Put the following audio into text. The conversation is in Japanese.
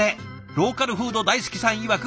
ローカルフード大好きさんいわく